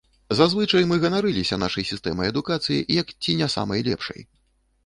Зазвычай мы ганарыліся нашай сістэмай адукацыі як ці не самай лепшай.